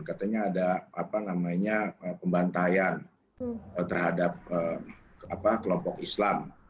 katanya ada pembantaian terhadap kelompok islam